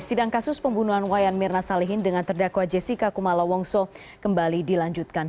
sidang kasus pembunuhan wayan mirna salihin dengan terdakwa jessica kumala wongso kembali dilanjutkan